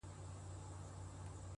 زما د زړه گلونه ساه واخلي ـ